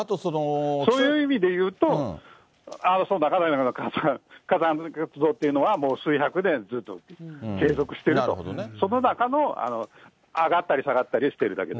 そういう意味でいうと、中岳の火山活動というのは、もう数百年ずっと継続していると、その中の上がったり下がったりしてるだけで。